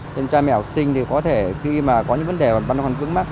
đơn trai mèo sinh thì có thể khi mà có những vấn đề hoặc băn hoàn vững mắt